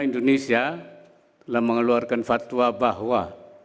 indonesia telah mengeluarkan fatwa bahwa